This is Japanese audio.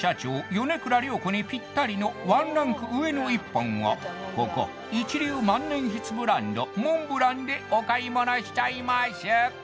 米倉涼子にぴったりのワンランク上の一本をここ一流万年筆ブランドモンブランでお買い物しちゃいます！